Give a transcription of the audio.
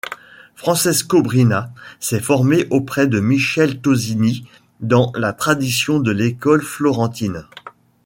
Francesco Brina s'est formé auprès de Michele Tosini dans la tradition de l'école florentine.